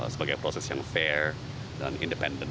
sebagai proses yang fair dan independen